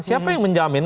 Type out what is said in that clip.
siapa yang menjamin